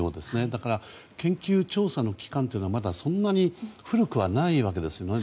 だから研究調査の期間はまだそんなに古くはないわけですね。